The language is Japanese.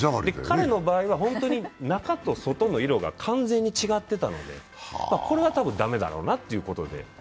彼の場合は本当に中と外の色が完全に違ってたので、これは多分駄目だろうなということで。